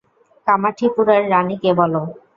কামাঠিপুরার রানী কে বলো?